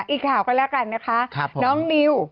อีกข่าวก็แล้วกันนะคะน้องนิว